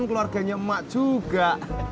keluarganya emak juga